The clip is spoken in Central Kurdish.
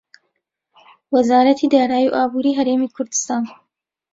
وەزارەتی دارایی و ئابووری هەرێمی کوردستان